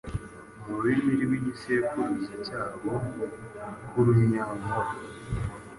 mu rurimi rw’igisekuruza cyabo rw’urunyankore,